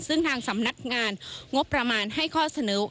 ซึ่งทางสำนักงานงบประมาณให้ข้อเสนอ